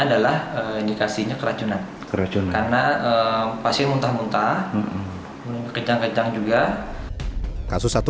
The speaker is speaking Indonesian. adalah indikasinya keracunan keracunan karena pasir muntah muntah kejang kejang juga kasus satu